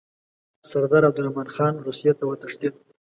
سردار عبدالرحمن خان روسیې ته وتښتېد.